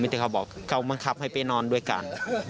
แต่เขาบอกเขาบังคับให้ไปนอนด้วยกัน